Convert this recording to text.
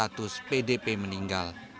atus pdp meninggal